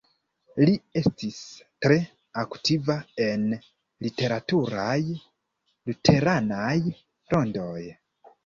Li estis tre aktiva en literaturaj luteranaj rondoj.